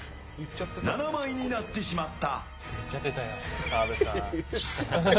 ７枚になってしまった。